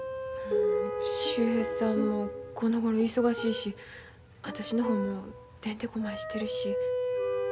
秀平さんもこのごろ忙しいし私の方もてんてこまいしてるし。